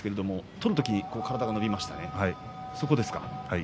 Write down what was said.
反る時に体が伸びましたね